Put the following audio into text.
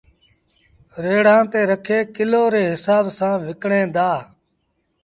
ريڙآݩ تي رکي ڪلو ري هسآب سآݩ وڪڻيٚن دآ